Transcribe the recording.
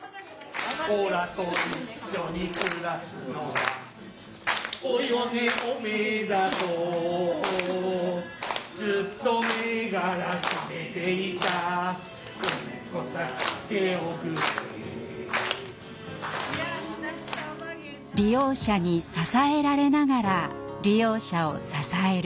俺らと一緒に暮らすのはおよねおめえだとずーと前から決めていた嫁っこさ来ておくれ利用者に支えられながら利用者を支える。